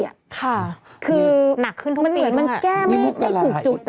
ค่ะคือมันเหมือนมันแก้ไม่ถูกจุด